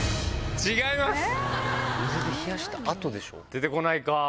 出てこないか。